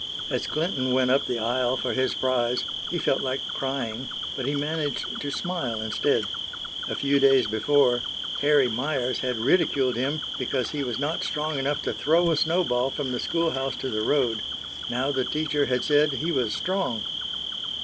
As Clinton went up the aisle for his prize, he felt like crying, but he managed to smile instead. A few days before, Harry Meyers had ridiculed him because he was not strong enough to throw a snowball from the schoolhouse to the road; now the teacher had said he was strong!